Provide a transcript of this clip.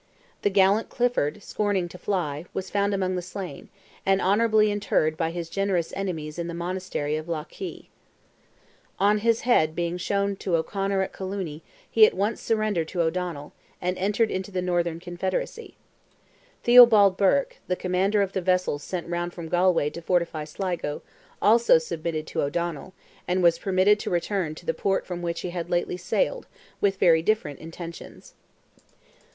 The gallant Clifford, scorning to fly, was found among the slain, and honourably interred by his generous enemies in the monastery of Lough Key. On his head being shown to O'Conor at Colooney, he at once surrendered to O'Donnell, and entered into the Northern Confederacy. Theobald Burke, the commander of the vessels sent round from Galway to fortify Sligo, also submitted to O'Donnell, and was permitted to return to the port from which he had lately sailed, with very different intentions.